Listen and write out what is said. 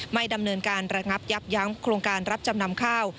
ไม่ดำเนินการระงับยับยั้งโครงการรับจำนำข้าว